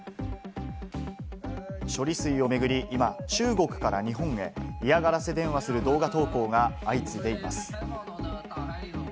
処理水を巡り、今、中国から日本へ嫌がらせ電話をする動画投稿が相次いでいます。